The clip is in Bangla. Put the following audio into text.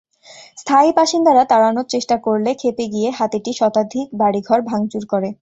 স্থানীয় বাসিন্দারা তাড়ানোর চেষ্টা করলে খেপে গিয়ে হাতিটি শতাধিক বাড়িঘর ভাংচুর করে।